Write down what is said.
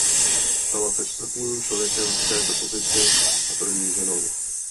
Stala se čtvrtým člověkem v této pozici a první ženou.